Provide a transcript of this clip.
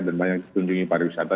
dan banyak yang kunjungi pariwisata